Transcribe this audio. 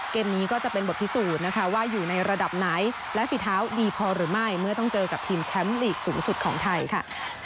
เกมนี้ก็จะเป็นบทพิสูจน์นะคะว่าอยู่ในระดับไหนและฝีเท้าดีพอหรือไม่เมื่อต้องเจอกับทีมแชมป์ลีกสูงสุดของไทยค่ะ